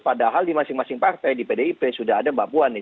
padahal di masing masing partai di pdip sudah ada mbak puan nih